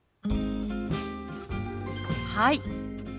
「はい」